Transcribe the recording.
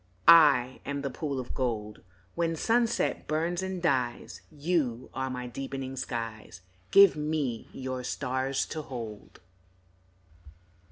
I am the pool of gold When sunset burns and dies, You are my deepening skies, Give me your stars to hold.